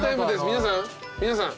皆さん皆さん。